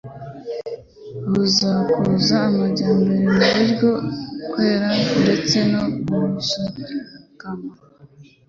buzakuza amajyambere mu byo kwera ndetse no gushikama